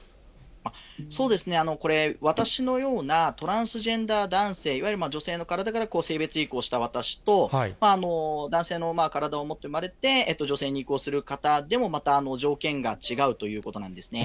そうですね、これ、私のようなトランスジェンダー男性、いわゆる女性の体から性別移行した私と、男性の体をもって生まれて女性に移行する方でもまた条件が違うということなんですね。